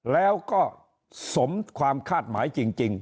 แล้วก็สมความคาดหมายจริง